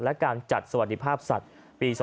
และการจัดสวณภาพสัตว์ปี๒๕๕๗